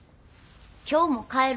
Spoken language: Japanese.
今日も帰る？